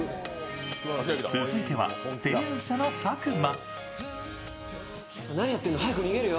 続いては提案者の佐久間。